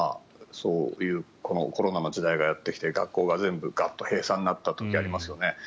そういうコロナの時代がやってきて学校が全部、ガッと閉鎖になった時がありますよね。